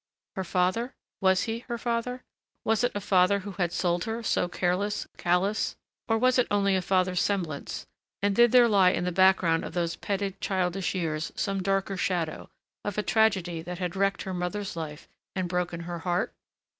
Her father? Was he her father? Was it a father who had sold her so, careless, callous or was it only a father's semblance, and did there lie in the background of those petted, childish years some darker shadow, of a tragedy that had wrecked her mother's life and broken her heart